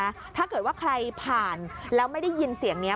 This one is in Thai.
ถ้าเกิดว่าใครผ่านแล้วไม่ได้ยินเสียงนี้